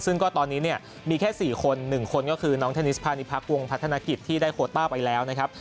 ซึ่งก็ตอนนี้เนี่ยมีแค่๔คน๑คนก็คือน้องเทนนิสพาณิพักวงพัฒนกิจที่ได้โคต้าไปแล้วนะครับ